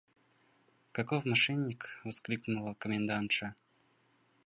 – Каков мошенник! – воскликнула комендантша.